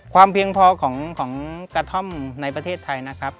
ความเพียงพอของกระท่อมในประเทศไทย